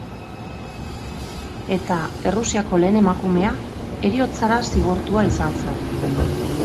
Eta Errusiako lehen emakumea heriotzara zigortua izan zen.